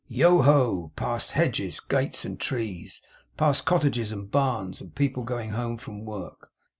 Yoho, past hedges, gates, and trees; past cottages and barns, and people going home from work.